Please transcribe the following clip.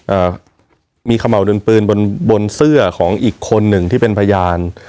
เอ่อมีขม่าวดินปืนบนบนเสื้อของอีกคนหนึ่งที่เป็นพยาน